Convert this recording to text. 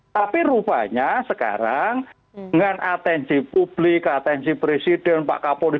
tapi rupanya sekarang dengan atensi publik atensi presiden pak kapolri